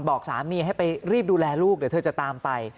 บอกสามีให้ไปรีบดูแลลูกเดี๋ยวเธอจะตามไป